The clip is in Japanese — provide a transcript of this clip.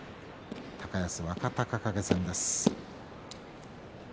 高安、若隆景戦です。